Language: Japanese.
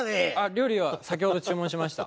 料理は先ほど注文しました。